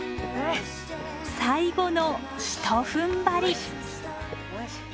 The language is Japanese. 最後のひとふんばり！